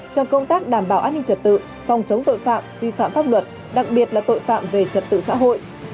trong công tác đảm bảo an ninh trật tự phòng chống tội phạm vi phạm pháp luật đặc biệt là tội phạm về trật tự xã hội